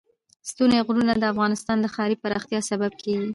ستوني غرونه د افغانستان د ښاري پراختیا سبب کېږي.